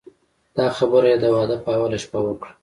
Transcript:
دا خبره یې د واده په اوله شپه وکړه.